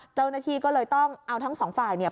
เจ้าหน้าที่ก็เลยต้องเอาทั้งสองฝ่ายเนี่ย